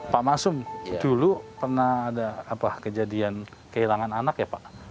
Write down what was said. pak masum dulu pernah ada kejadian kehilangan anak ya pak